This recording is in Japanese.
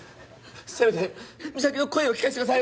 せめて実咲の声を聞かせてください